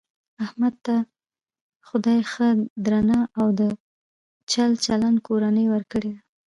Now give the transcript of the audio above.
احمد ته خدای ښه درنه او د چل چلن کورنۍ ورکړې ده .